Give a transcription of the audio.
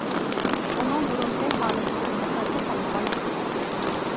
ئۇنىڭ بۇرۇنقى ھالىتىدىن ئەسەرمۇ قالمىغان ئىدى.